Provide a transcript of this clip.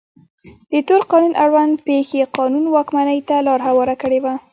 د تور قانون اړوند پېښې قانون واکمنۍ ته لار هواره کړې وه.